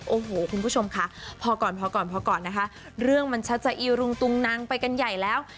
โอ้โหคุณผู้ชมค่ะพอก่อนพอก่อนพอก่อนนะคะเรื่องมันชัดจะอีรุงตุงนังไปกันใหญ่แล้ว